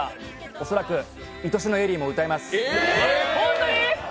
恐らく「いとしのエリー」も歌います。